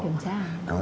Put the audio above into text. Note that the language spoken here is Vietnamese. đó là kiểm tra